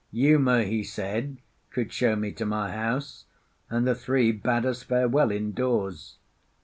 Uma, he said, could show me to my house, and the three bade us farewell indoors.